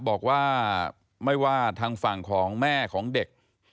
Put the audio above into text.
บอกว่าไม่ว่าทางฝั่งของแม่ของเด็ก